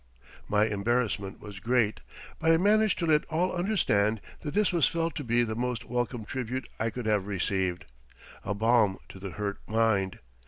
My embarrassment was great, but I managed to let all understand that this was felt to be the most welcome tribute I could have received a balm to the hurt mind.